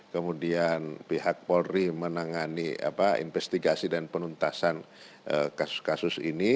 kemudian pihak polri menangani investigasi dan penuntasan kasus kasus ini